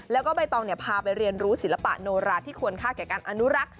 แล้วก็ใบตองพาไปเรียนรู้ศิลปะโนราที่ควรค่าแก่การอนุรักษ์